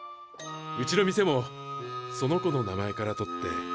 うちの店もその子の名前から取って。